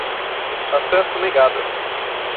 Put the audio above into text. Acesso negado.